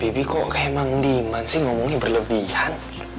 bibi kok emang demand sih ngomongnya berlebihan